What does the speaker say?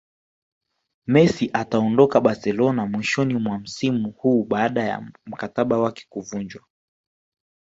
Messi ataondoka Barcelona mwishoni mwa msimu huu baada ya mkataba wake kuvunjwa